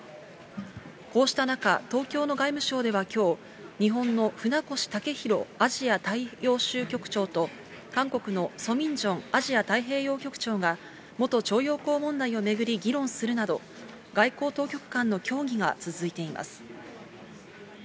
こうした中、東京の外務省ではきょう、日本の船越たけひろアジア大洋州局長と、韓国のソ・ミンジョンアジア太平洋局長が元徴用工問題を巡り、議論するなど、外交当局間の協議が続いています。